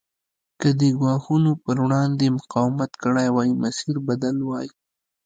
که دې ګواښونو پر وړاندې مقاومت کړی وای مسیر بدل وای.